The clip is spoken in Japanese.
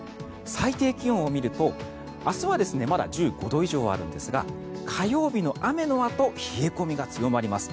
最低気温を見ると、明日はまだ１５度以上あるんですが火曜日の雨のあと冷え込みが強まります。